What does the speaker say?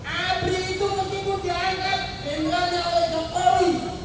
abri itu mesti pun diangkat diangkat oleh jokowi